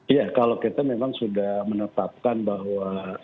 iya kalau kita memang sudah menetapkan bahwa